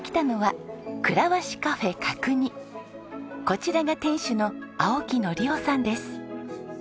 こちらが店主の青木紀雄さんです。